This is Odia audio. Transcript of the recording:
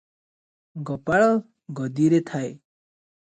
ଗୋପାଳ ଗଦିରେ ଥାଏ ।